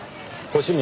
星宮？